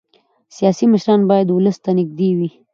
سیاسي مشران باید ولس ته نږدې وي